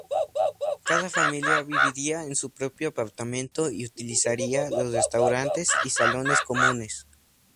Cada familia viviría en su propio apartamento, y utilizaría los restaurantes y salones comunes.